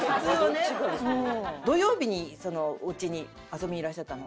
土曜日にうちに遊びにいらっしゃったの。